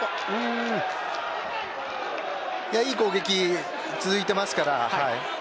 いい攻撃が続いていますから。